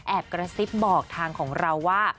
กระซิบบอกทางของเราว่า